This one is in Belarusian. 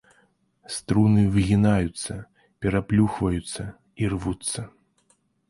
Струны выгінаюцца, пераплюхваюцца і рвуцца.